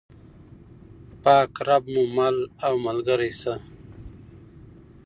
پاک رب مو مل او ملګری شه.